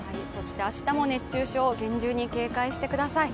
明日も熱中症、厳重に警戒してください。